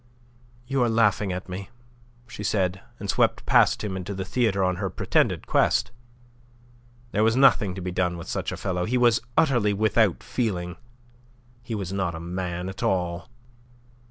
"You are laughing at me," said she, and swept past him into the theatre on her pretended quest. There was nothing to be done with such a fellow. He was utterly without feeling. He was not a man at all.